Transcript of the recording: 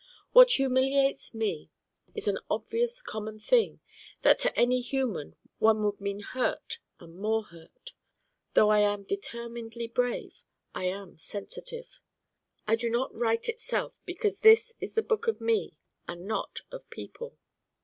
What humiliates me is an obvious common thing that to any human one would mean hurt and more hurt. Though I am determinedly brave I am sensitive. I do not write itself because this is the book of me and not of people.